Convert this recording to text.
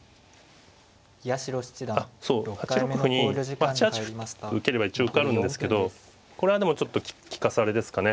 あっそう８六歩に８八歩と受ければ一応受かるんですけどこれはでもちょっと利かされですかね。